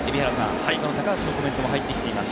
高橋のコメントも入ってきています。